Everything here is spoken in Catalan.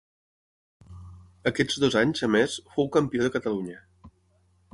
Aquests dos anys, a més, fou Campió de Catalunya.